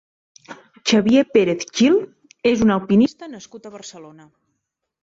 Xavier Pérez Gil és un alpinista nascut a Barcelona.